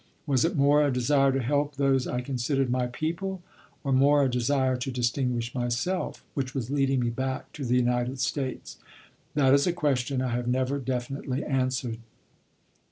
Was it more a desire to help those I considered my people, or more a desire to distinguish myself, which was leading me back to the United States? That is a question I have never definitely answered.